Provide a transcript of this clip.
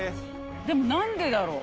でも何でだろう？